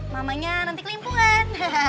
mamanya nanti kelimpungan